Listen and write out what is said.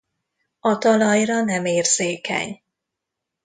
A talajra nem érzékeny.